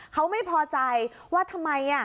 เขาไม่พอใจว่าทำไม